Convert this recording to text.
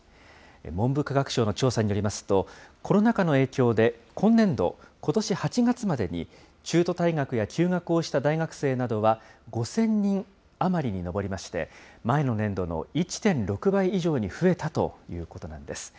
文部科学省の調査によりますと、コロナ禍の影響で、今年度、ことし８月までに、中途退学や休学をした大学生などは５０００人余りに上りまして、前の年度の１．６倍以上に増えたということなんです。